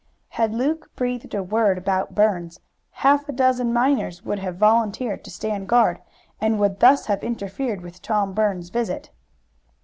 Had Luke breathed a word about Burns, half a dozen miners would have volunteered to stand guard, and would thus have interfered with Tom Burns's visit.